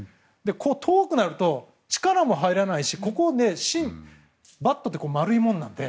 遠くなると力も入らないしバットって丸いものなので。